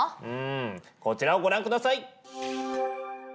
うんこちらをご覧ください！